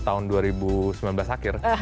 tahun dua ribu sembilan belas akhir